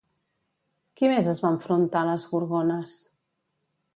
Qui més es va enfrontar les Gorgones?